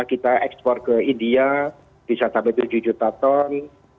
kita ekspor ke india bisa sampai tujuh juta ton